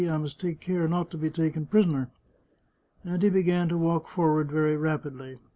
" I must take care not to be taken prisoner." And he be gan to walk forward very rapidly.